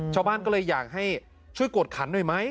ชาวบ้านก็เลยอยากให้ช่วยกวดขันหน่อยไหม